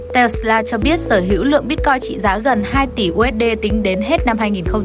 telsla cho biết sở hữu lượng bitcoin trị giá gần hai tỷ usd tính đến hết năm hai nghìn hai mươi